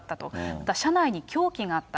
また車内に凶器があった。